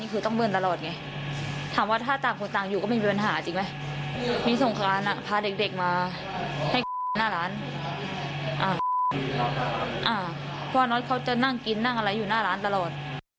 เพราะว่าน็อตเขาจะนั่งกินนั่งอะไรอยู่หน้าร้านตลอด